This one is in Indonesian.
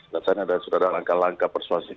dan sudah ada langkah langkah persuasif